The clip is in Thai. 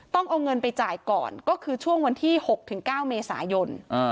ต้องเอาเงินไปจ่ายก่อนก็คือช่วงวันที่๖๙เมษายน